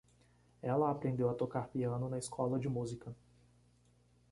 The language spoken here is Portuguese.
Ela aprendeu a tocar piano na escola de música.